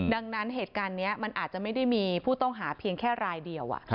ดังนั้นเหตุการณ์นี้มันอาจจะไม่ได้มีผู้ต้องหาเพียงแค่รายเดียว